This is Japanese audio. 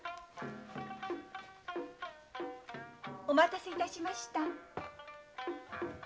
お待たせいたしました。